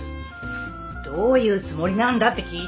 どういうつもりなんだって聞いてるんだよ！